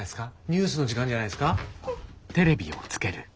ニュースの時間じゃないですか？